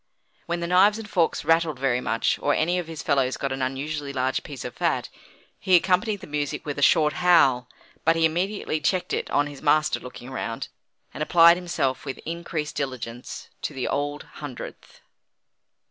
When the knives and forks rattled very much, or any of his fellows got an unusually large piece of fat, he accompanied the music with a short howl, but he immediately checked it on his master looking round, and applied himself with increased diligence to the Old Hundredth.